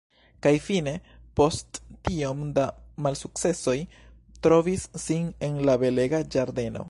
Kaj fine —post tiom da malsukcesoj—trovis sin en la belega ĝardeno.